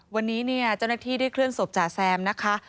วันนี้เนี่ยเจ้าหน้าที่ได้เคลื่อนศพจ่าแซมนะคะ